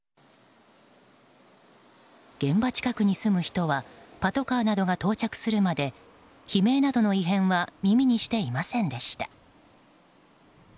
現場近くに住む人はパトカーなどが到着するまで悲鳴などの異変は耳にしていませんでした。